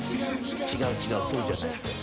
「違う違うそうじゃない」って。